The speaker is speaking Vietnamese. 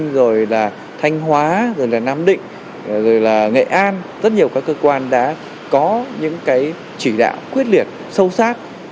rồi là thanh hóa rồi là nam định rồi là nghệ an rất nhiều các cơ quan đã có những cái chỉ đạo quyết liệt sâu sắc